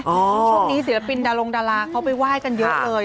ช่วงนี้ศิลปินดารงดาราเขาไปไหว้กันเยอะเลย